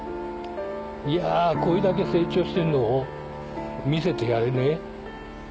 いやこれだけ成長してるのを見せてやれねえ